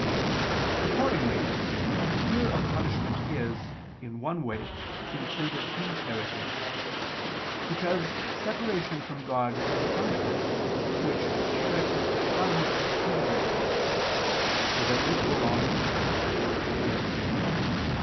Accordingly fear of punishment is, in one way, included in charity, because separation from God is a punishment, which charity shuns exceedingly; so that this belongs to chaste fear.